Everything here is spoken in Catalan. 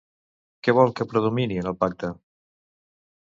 Què vol que predomini en el pacte?